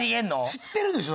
知ってるでしょ？